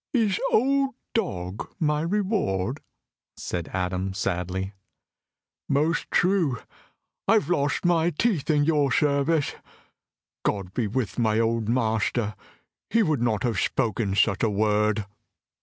"Is 'old dog' my reward?" said Adam sadly. "Most true, I have lost my teeth in your service. God be with my old master! He would not have spoken such a word."